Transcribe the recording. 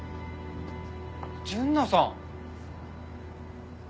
純奈さん！